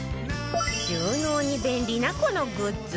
収納に便利なこのグッズ